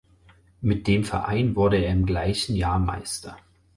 Mit dem Verein wurde er im gleichen Jahr Meister.